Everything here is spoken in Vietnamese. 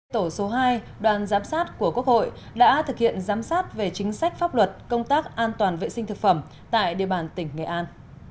tổ số hai đoàn giám sát của quốc hội đã thực hiện giám sát về chính sách pháp luật công tác an toàn vệ sinh thực phẩm tại địa bàn tỉnh nghệ an